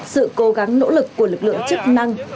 sự cố gắng nỗ lực của lực lượng chức năng